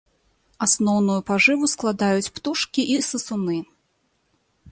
Асноўную пажыву складаюць птушкі і сысуны.